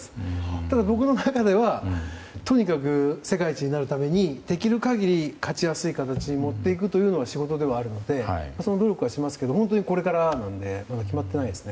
ただ、僕の中ではとにかく世界一になるためにできる限り勝ちやすい形に持っていくというのが仕事ではあるのでその努力はしますけど本当に、これからなのでまだ決まってないですね。